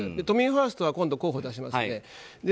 都民ファーストは今度、候補を出しますので。